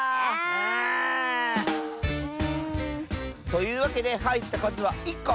というわけではいったかずは１こ。